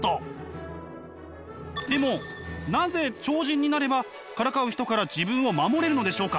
でもなぜ超人になればからかう人から自分を守れるのでしょうか？